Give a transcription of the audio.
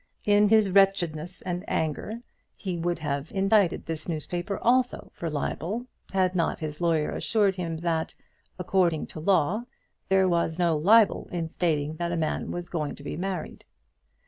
In his wretchedness and anger he would have indicted this newspaper also for a libel, had not his lawyer assured him that, according to law, there was no libel in stating that a man was going to be married.